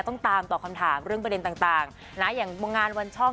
ต้องตามตอบคำถามเรื่องประเด็นต่างนะอย่างงานวันช่อง